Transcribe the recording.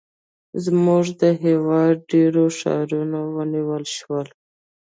زموږ د هېواد ډېر ښارونه ونیول شول.